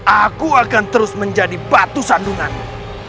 aku akan terus menjadi batu sandunganmu